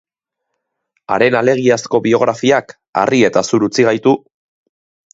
Haren alegiazko biografiak harri eta zur utzi gaitu!